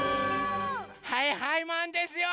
はいはいマンですよ！